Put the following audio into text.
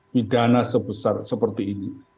pidana sebesar seperti ini